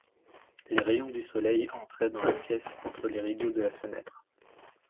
Les rayons du soleil entraient dans la pièce entre les rideaux de la fenêtre.